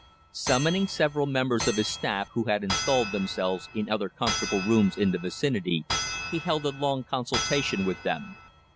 Summoning several members of his staff who had installed themselves in other comfortable rooms in the vicinity, he held a long consultation with them.